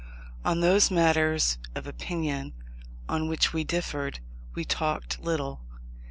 On those matters of opinion on which we differed, we talked little.